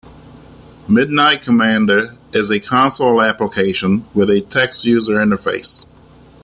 Midnight Commander is a console application with a text user interface.